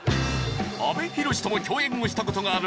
阿部寛とも共演をした事がある